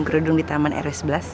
kerudung di taman rw sebelas